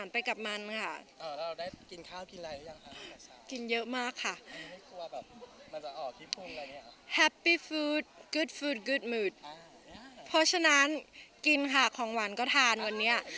เพราะฉะนั้นกินค่ะของหวานก็ทานวันนี้